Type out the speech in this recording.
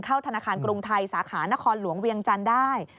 ธนาคารกรุงไทยสาขานครหลวงเวียงจันทร์ได้